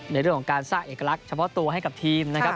ในเรื่องของการสร้างเอกลักษณ์เฉพาะตัวให้กับทีมนะครับ